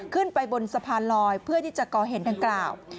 ขึ้นไปบนสะพานลอยเพื่อที่จะก่อเหตุดังกล่าว